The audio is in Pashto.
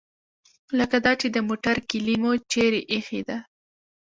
لکه دا چې د موټر کیلي مو چیرې ایښې ده.